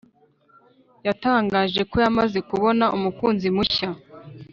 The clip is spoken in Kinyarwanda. yatangaje ko yamaze kubona umukunzi mushya